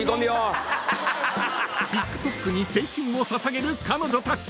［ＴｉｋＴｏｋに青春を捧げる彼女たち］